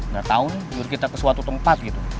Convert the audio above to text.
gak tau nih nyuruh kita ke suatu tempat gitu